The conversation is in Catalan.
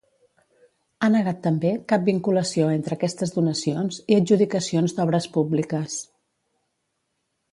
Ha negat també cap vinculació entre aquestes donacions i adjudicacions d'obres públiques.